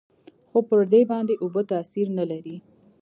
خو پر دې باندې اوبه تاثير نه لري.